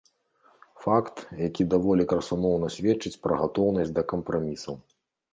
Факт, які даволі красамоўна сведчыць пра гатоўнасць да кампрамісаў.